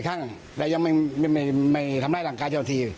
บ่อยครั้งแต่ยังไม่ทำได้หลังกายเสมอที